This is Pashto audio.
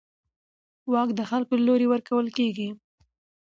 واک د خلکو له لوري ورکول کېږي